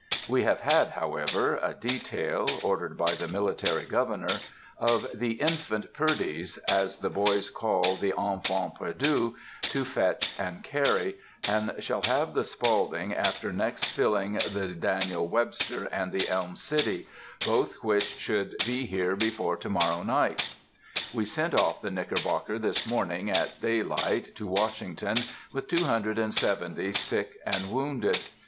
We have had, however, a detail, ordered by the military governor, of the "Infant Purdys," as the boys call the Enfans Perdus, to fetch and carry, and shall have the Spaulding after next filling the Daniel Webster and the Elm City, both which should be here before to morrow night. We sent off the Knickerbocker this morning at daylight to Washington, with two hundred and seventy sick and wounded.